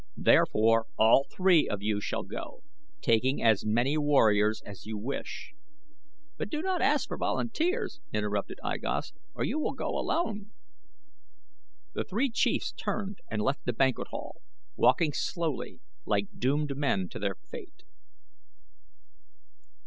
Therefore all three of you shall go, taking as many warriors as you wish." "But do not ask for volunteers," interrupted I Gos, "or you will go alone." The three chiefs turned and left the banquet hall, walking slowly like doomed men to their fate.